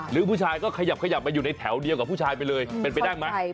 หรือผู้ชายก็ขยับขยับมาอยู่ในแถวเดียวกับผู้ชายไปเลยเป็นไปได้ไหม